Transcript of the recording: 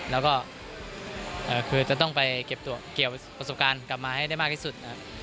แล้วก็คือจะต้องไปเก็บเกี่ยวประสบการณ์กลับมาให้ได้มากที่สุดนะครับ